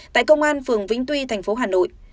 tại công an phường vĩnh tuy thành phố hà nội